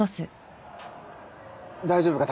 大丈夫か？